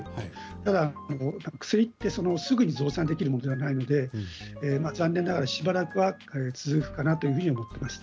ただ薬って、すぐに増産できるものではないので残念ながら、しばらくは続くかなというふうに思っております。